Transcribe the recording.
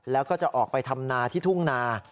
แล้วก็จะออกไปทำนาที่ทุ่งนา